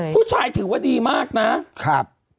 ผู้ชายถือว่าดีมากนะ